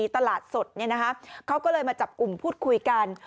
สลัดสดเนี่ยนะฮะเขาก็เลยมาจับกลุ่มพูดคุยกัน